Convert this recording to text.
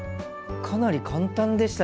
かなり簡単でしたね！